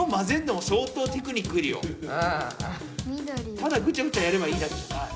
ただぐちゃぐちゃやればいいだけじゃない。